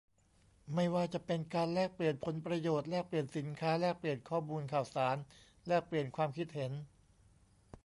ไม่ว่าจะเป็นการแลกเปลี่ยนผลประโยชน์ แลกเปลี่ยนสินค้า แลกเปลี่ยนข้อมูลข่าวสาร แลกเปลี่ยนความคิดเห็น